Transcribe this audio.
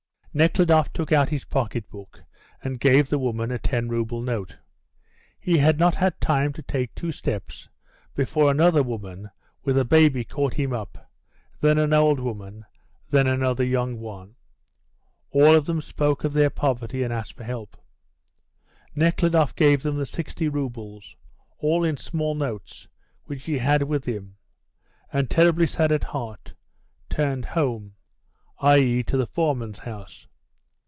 Nekhludoff took out his pocket book, and gave the woman a 10 rouble note. He had not had time to take two steps before another woman with a baby caught him up, then an old woman, then another young one. All of them spoke of their poverty, and asked for help. Nekhludoff gave them the 60 roubles all in small notes which he had with him, and, terribly sad at heart, turned home, i.e., to the foreman's house.